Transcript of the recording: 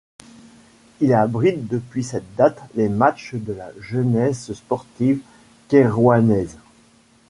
Il abrite depuis cette date les matchs de la Jeunesse sportive kairouanaise.